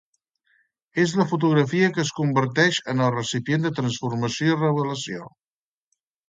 És la fotografia que es converteix en el recipient de transformació i revelació.